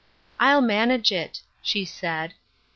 " I'll manage it," she said.